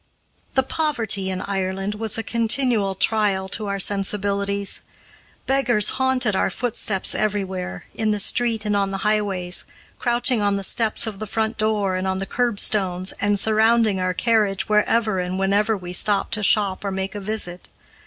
The poverty in Ireland was a continual trial to our sensibilities; beggars haunted our footsteps everywhere, in the street and on the highways, crouching on the steps of the front door and on the curbstones, and surrounding our carriage wherever and whenever we stopped to shop or make a visit.